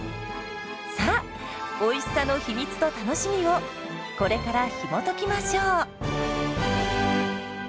さあおいしさの秘密と楽しみをこれからひもときましょう！